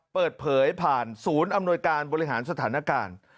เปิดเผยผ่านศูนย์อำนวยการบริหารสถานการณ์